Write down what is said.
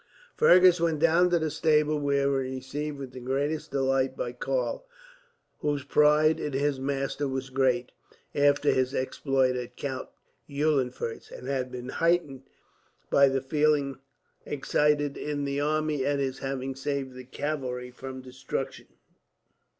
Fergus went down to the stable, where he was received with the greatest delight by Karl; whose pride in his master was great, after his exploit at Count Eulenfurst's, and had been heightened by the feeling excited in the army at his having saved the cavalry from destruction.